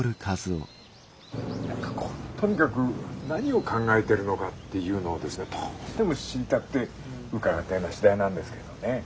何かこうとにかく何を考えてるのかっていうのをですねどうしても知りたくて伺ったような次第なんですけれどね。